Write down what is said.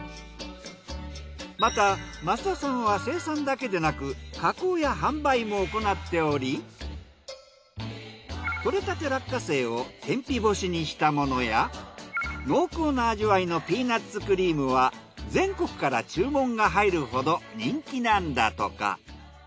また増田さんは生産だけでなく加工や販売も行っており採れたて落花生を天日干しにしたものや濃厚な味わいのピーナッツクリームは全国から注文が入るほど人気なんだとか。